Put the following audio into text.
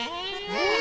うん。